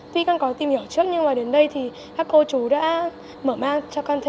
tuy con có tìm hiểu trước nhưng mà đến đây thì các cô chú đã mở mang cho con thêm